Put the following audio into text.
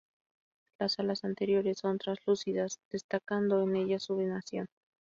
Las alas anteriores son translúcidas, destacando en ellas su venación.